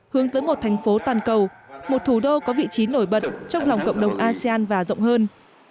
hướng tới một thành phố toàn cầu một thủ đô có vị trí nổi bật trong lòng cộng đồng asean và rộng hơn